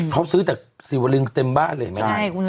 เขาซื้อแต่สีวรึงเต็มบ้านเลยเห็นไหม